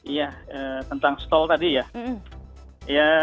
iya tentang stol tadi ya